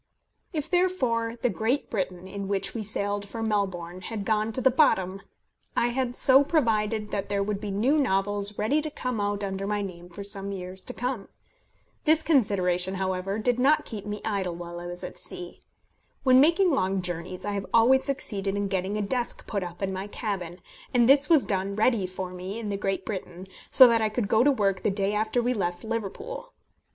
If therefore the Great Britain, in which we sailed for Melbourne, had gone to the bottom, I had so provided that there would be new novels ready to come out under my name for some years to come. This consideration, however, did not keep me idle while I was at sea. When making long journeys, I have always succeeded in getting a desk put up in my cabin, and this was done ready for me in the Great Britain, so that I could go to work the day after we left Liverpool.